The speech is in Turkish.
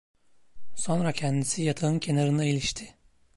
Sonra kendisi yatağın kenarına ilişti.